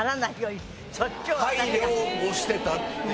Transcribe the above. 配慮をしてたっていう。